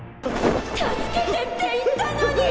助けてって言ったのに！